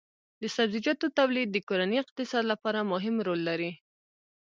د سبزیجاتو تولید د کورني اقتصاد لپاره مهم رول لري.